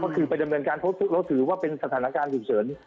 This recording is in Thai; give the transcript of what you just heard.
ก็คือไปดำเนินการแล้วถือว่าเป็นสถานการณ์ฉุกเฉิน